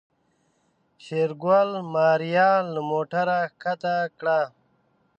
شېرګل ماريا له موټره کښته کړه.